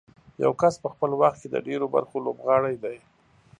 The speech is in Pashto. یو کس په خپل وخت کې د ډېرو برخو لوبغاړی دی.